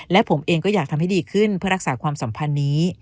และผมเองก็อยากทำให้ดีขึ้นเพื่อรักษาความสัมพันธ์นี้